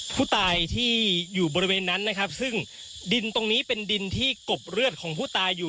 ผู้ตายที่อยู่บริเวณนั้นนะครับซึ่งดินตรงนี้เป็นดินที่กบเลือดของผู้ตายอยู่